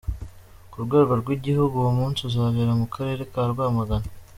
Ku rwego rw’Igihugu, uwo munsi uzabera mu Karere ka Rwamagana.